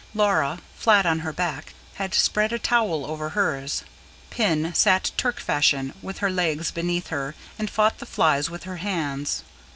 Laura, flat on her back, had spread a towel over hers; Pin sat Turk fashion with her legs beneath her and fought the flies with her hands.